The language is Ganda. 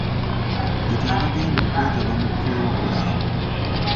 Yita abagenda okwetaba mu Pulogulaamu.